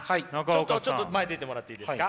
ちょっと前出てもらっていいですか？